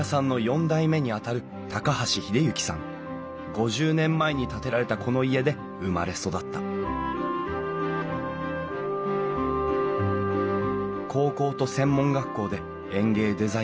５０年前に建てられたこの家で生まれ育った高校と専門学校で園芸デザインを勉強。